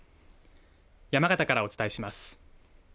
山形からお伝えします。